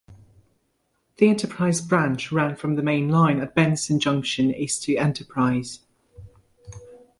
The Enterprise Branch ran from the main line at Benson Junction east to Enterprise.